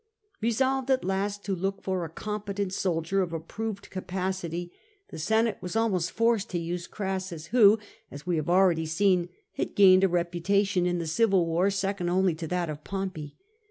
Resolved at last to look for a com petent soldier of approved capacity, the Senate were almost forced to use Crassus, who (as we have already seen) had gained a reputation in the civil wars second only to that of Pompey.